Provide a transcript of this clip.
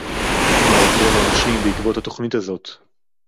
מה יקרה לנשים בעקבות התוכנית הזאת